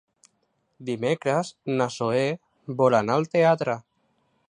Dimecres na Zoè vol anar al teatre.